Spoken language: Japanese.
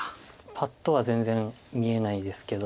パッとは全然見えないですけど。